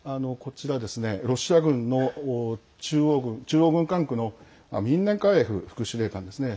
ロシア軍の中央軍管区のミンネカエフ副司令官ですね。